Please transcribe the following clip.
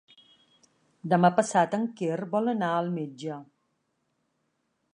Demà passat en Quer vol anar al metge.